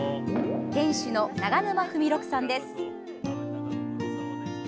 店主の長沼二三六さんです。